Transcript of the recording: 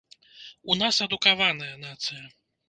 У нас адукаваная нацыя.